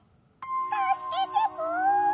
たすけてポ！